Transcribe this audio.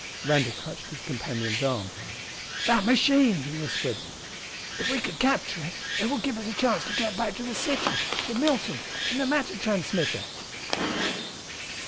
Randall clutched his companion's arm. "That machine!" he whispered. "If we could capture it, it would give us a chance to get back to the city to Milton and the matter transmitter!"